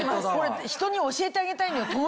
これ人に教えてあげたいのよ